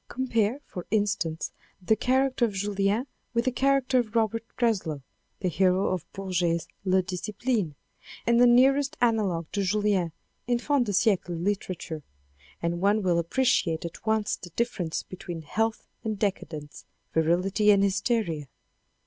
Compare, for instance, the char acter of Julien with the character of Robert Greslou, the hero of Bourget's Le Disciple, and the nearest analogue to Julien in fin de siecle literature, and one will appreciate at once the difference between health and decadence, virility and hysteria.